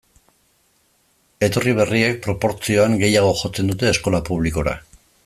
Etorri berriek, proportzioan, gehiago jotzen dute eskola publikora.